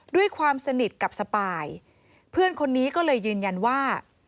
ด้วยความสนิทกับสปายเพื่อนคนนี้ก็เลยยืนยันว่า